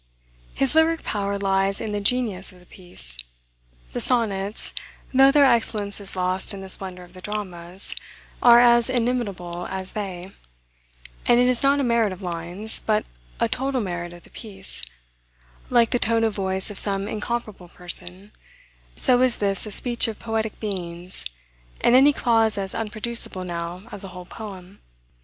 His lyric power lies in the genius of the piece. The sonnets, though their excellence is lost in the splendor of the dramas, are as inimitable as they: and it is not a merit of lines, but a total merit of the piece; like the tone of voice of some incomparable person, so is this a speech of poetic beings, and any clause as unproducible now as a whole poem.